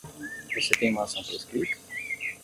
Você tem uma ação por escrito?